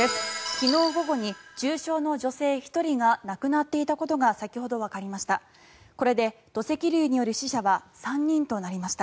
昨日午後に重傷の女性１人が亡くなっていたことが先ほどわかりました。